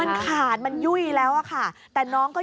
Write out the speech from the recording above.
มันขาดมันยุ่ยแล้วอะค่ะแต่น้องก็